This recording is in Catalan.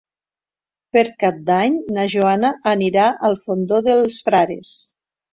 Per Cap d'Any na Joana anirà al Fondó dels Frares.